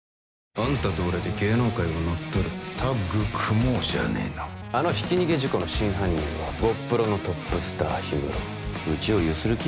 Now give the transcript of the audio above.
あんたと俺で芸能界を乗っ取るタッグ組もうじゃねえのあのひき逃げ事故の真犯人はゴップロのトップスターヒムロうちをゆする気？